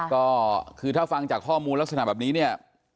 ก็คือถ้าฟังจากข้อมูลลักษณะแบบนี้เนี่ย